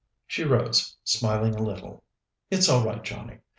She rose, smiling a little. "It's all right, Johnnie.